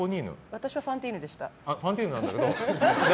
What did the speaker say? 私はファンティーヌでした。